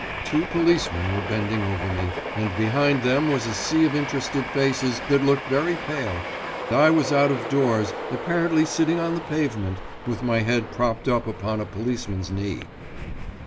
Two policemen were bending over me, and behind them was a sea of interested faces that looked very pale, I was out of doors, apparently sitting on the pavement, with my head propped up upon a policeman's knee.